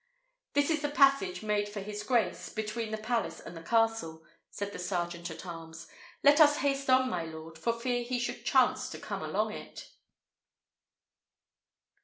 "This is the passage made for his grace, between the palace and the castle," said the sergeant at arms. "Let us haste on, my lord, for fear he should chance to come along it."